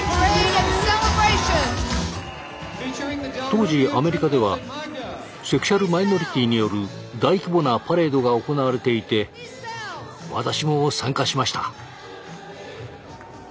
当時アメリカではセクシュアルマイノリティによる大規模なパレードが行われていて私も参加しました。